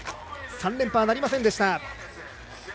３連覇はなりませんでした。